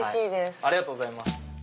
ありがとうございます。